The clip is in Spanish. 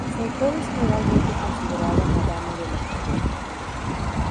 Su autor es generalmente considerada Madame de La Fayette.